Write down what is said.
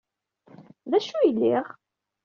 D acu ay liɣ?